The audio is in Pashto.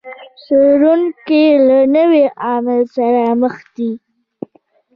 څېړونکي له نوي عامل سره مخ دي.